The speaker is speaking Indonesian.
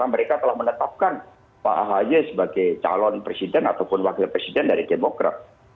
mereka telah menetapkan pak ahy sebagai calon presiden ataupun wakil presiden dari demokrat